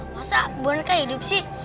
masa beneran kan hidup sih